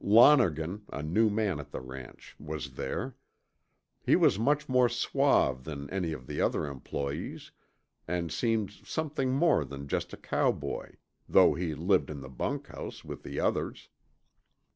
Lonergan, a new man at the ranch, was there. He was much more suave than any of the other employees and seemed something more than just a cowboy, though he lived in the bunkhouse, with the others.